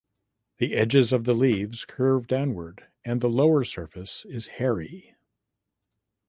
The edges of the leaves curve downwards and the lower surface is hairy.